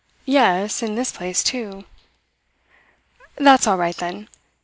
Yes, in this place, too. "That's all right, then."